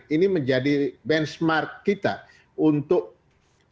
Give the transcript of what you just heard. ini menjadi benchmark kita untuk menangani pandemi covid sembilan belas ini